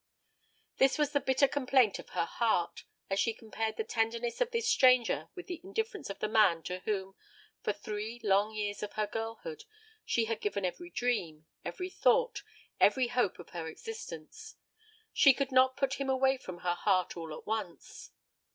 This was the bitter complaint of her heart as she compared the tenderness of this stranger with the indifference of the man to whom, for three long years of her girlhood, she had given every dream, every thought, every hope of her existence. She could not put him away from her heart all at once.